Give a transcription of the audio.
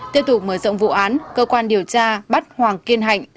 tiếp tục mở rộng vụ án cơ quan điều tra bắt hoàng kiên hạnh